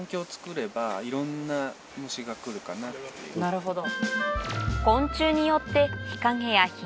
なるほど。